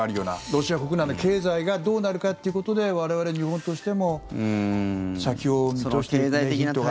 ロシア国内の経済がどうなるかということで我々日本としても先を見通していくヒントが。